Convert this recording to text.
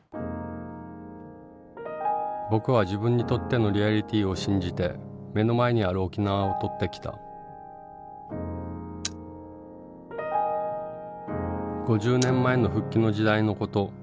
僕は自分にとってのリアリティーを信じて目の前にある沖縄を撮ってきた５０年前の復帰の時代のこと。